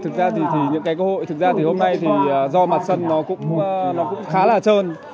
thực ra thì những cái cơ hội thực ra thì hôm nay thì do mặt sân nó cũng khá là trơn